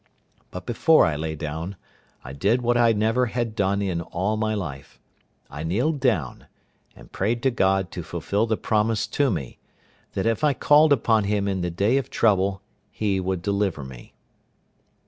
But before I lay down, I did what I never had done in all my life—I kneeled down, and prayed to God to fulfil the promise to me, that if I called upon Him in the day of trouble, He would deliver me.